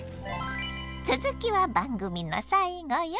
つづきは番組の最後よ。